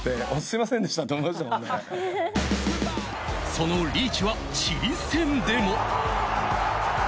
そのリーチはチリ戦でも。